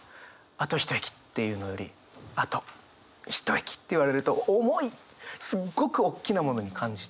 「あと一駅」って言うのより「あと、一駅」って言われると重いすっごくおっきなものに感じて。